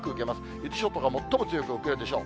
伊豆諸島が最も強く受けるでしょう。